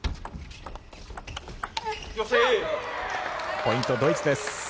ポイント、ドイツです。